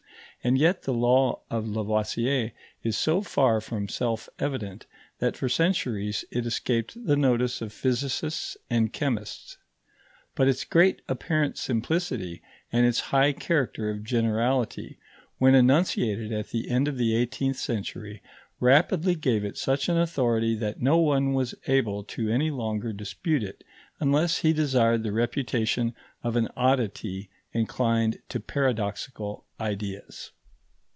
And yet the law of Lavoisier is so far from self evident that for centuries it escaped the notice of physicists and chemists. But its great apparent simplicity and its high character of generality, when enunciated at the end of the eighteenth century, rapidly gave it such an authority that no one was able to any longer dispute it unless he desired the reputation of an oddity inclined to paradoxical ideas.